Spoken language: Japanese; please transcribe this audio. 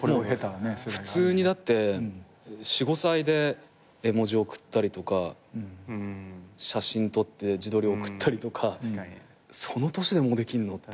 普通にだって４５歳で絵文字送ったりとか写真撮って自撮り送ったりとかその年でもうできんのっていう。